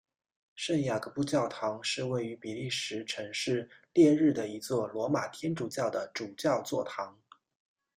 圣雅各布教堂是位于比利时城市列日的一座罗马天主教的主教座堂。